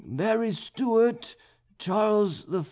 Mary Stuart, Charles I.